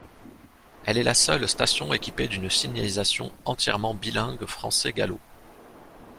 Elle est la seule station équipée d’une signalisation entièrement bilingue français-gallo.